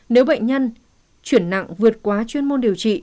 nếu bệnh nhân chuyển nặng vượt quá chuyên môn điều trị